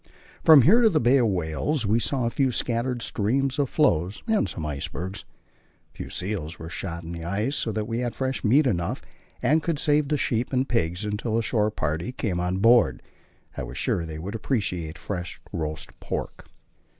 From here to the Bay of Whales we saw a few scattered streams of floes and some icebergs. A few seals were shot in the ice, so that we had fresh meat enough, and could save the sheep and pigs until the shore party came on board. I was sure they would appreciate fresh roast pork.